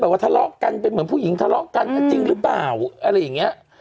ว่าทะเลาะกันเป็นเหมือนผู้หญิงทะเลาะกันจริงหรือเปล่าอะไรอย่างเงี้ย